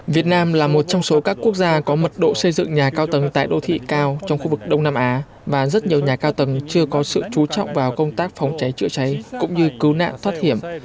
việt nam là một trong số các quốc gia có mật độ xây dựng nhà cao tầng tại đô thị cao trong khu vực đông nam á và rất nhiều nhà cao tầng chưa có sự chú trọng vào công tác phòng cháy chữa cháy cũng như cứu nạn thoát hiểm